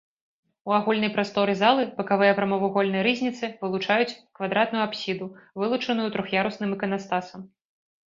У агульнай прасторы залы бакавыя прамавугольныя рызніцы вылучаюць квадратную апсіду, вылучаную трох'ярусным іканастасам.